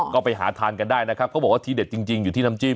ก็ไปหาทานกันได้นะครับเขาบอกว่าที่เด็ดจริงอยู่ที่น้ำจิ้ม